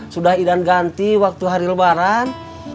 sudah idan ganti waktu hari lebaran